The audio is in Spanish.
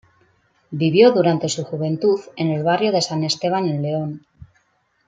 Vivió durante su juventud en el barrio de San Esteban en León.